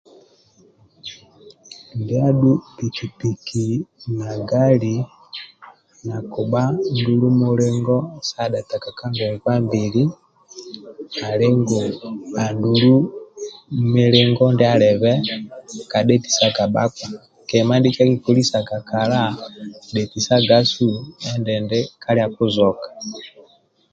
Ndia adhu piki piki na gali nakibha ndulu mulingo sa dhetaga ka ngongwa mbili ali nanga andulu milingo ndia alibe ka dhetisaga bhakpa kima ndie kiekikozesga kala dhetisagasu endindi kalia kizoka